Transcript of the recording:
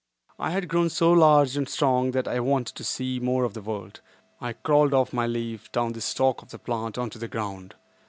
I had grown so large and strong that I wanted to see more of the world. I crawled off my leaf, down the stalk of the plant onto the ground.